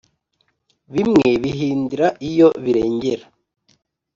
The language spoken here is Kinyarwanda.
bimwe bihindira iyo birengera